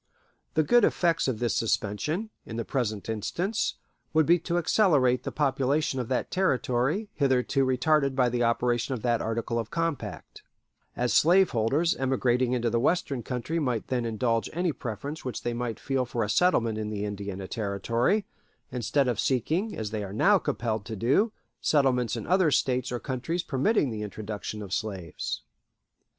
The good effects of this suspension, in the present instance, would be to accelerate the population of that Territory, hitherto retarded by the operation of that article of compact; as slaveholders emigrating into the Western country might then indulge any preference which they might feel for a settlement in the Indiana Territory, instead of seeking, as they are now compelled to do, settlements in other States or countries permitting the introduction of slaves.